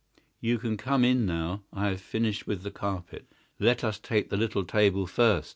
You can come in now. I have finished with the carpet. Let us take the little table first.